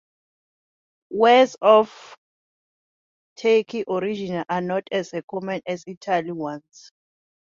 Words of Turkish origin are not as common as Italian ones.